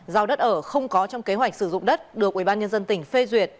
giao đất ở không có trong kế hoạch sử dụng đất được ubnd tỉnh phê duyệt